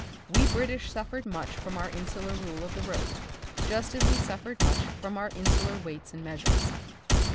We British suffered much from our insular rule of the road, just as we suffered much from our insular weights and measures.